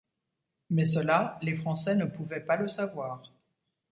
Mais cela les Français ne pouvaient pas le savoir.